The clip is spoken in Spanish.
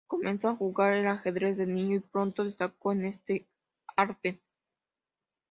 Comenzó a jugar al ajedrez de niño y pronto destacó en este arte.